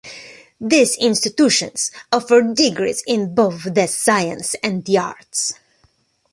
These institutions offer degrees in both the science and the arts.